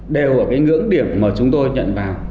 đều ở cái ngưỡng điểm mà chúng tôi nhận vào